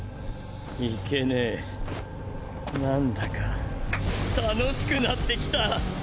いけねえなんだか愉しくなってきた！！